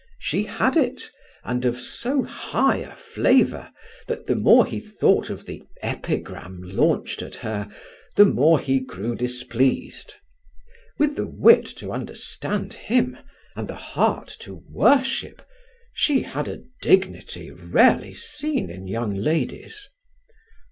She had it, and of so high a flavour that the more he thought of the epigram launched at her the more he grew displeased. With the wit to understand him, and the heart to worship, she had a dignity rarely seen in young ladies.